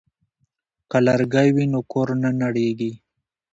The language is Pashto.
که لرګی وي نو کور نه نړیږي.